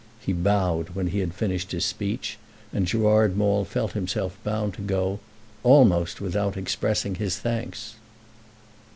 He bowed when he had finished his speech, and Gerard Maule felt himself bound to go, almost without expressing his thanks.